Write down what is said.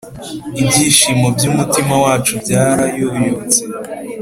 Ibyishimo by’umutima wacu byarayoyotse,